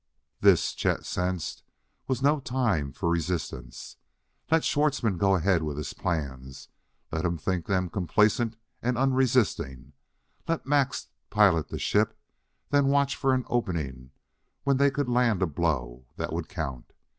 This, Chet sensed, was no time for resistance. Let Schwartzmann go ahead with his plans; let him think them complacent and unresisting; let Max pilot the ship; then watch for an opening when they could land a blow that would count!